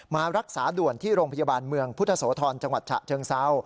มารักษาด่วนที่โรงพยาบาลเมืองพุทธโสธรจังหวัดฉะเชิงเซา